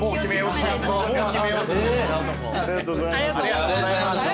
ありがとうございます。